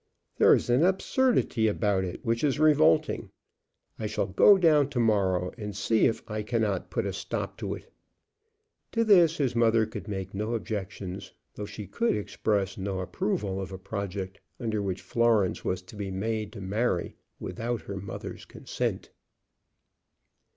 There is an absurdity about it which is revolting. I shall go down to morrow and see if I cannot put a stop to it." To this the mother could make no objection, though she could express no approval of a project under which Florence was to be made to marry without her mother's consent.